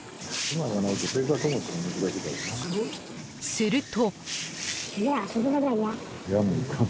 ［すると］